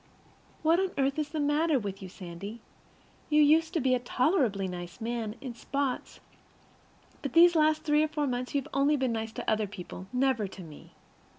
What on earth is the matter with you, Sandy? You used to be a tolerably nice man in spots, but these last three or four months you have only been nice to other people, never to me.